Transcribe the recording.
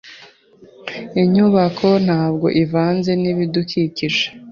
Inyubako ntabwo ivanze nibidukikije.